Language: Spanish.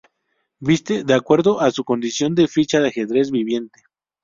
Viste de acuerdo a su condición de ficha de ajedrez viviente.